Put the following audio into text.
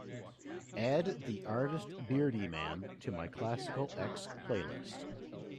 add the artist Beardyman to my classical x playlist